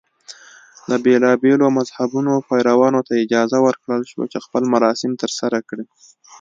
د بېلابېلو مذهبونو پیروانو ته اجازه ورکړل شوه چې خپل مراسم ترسره کړي.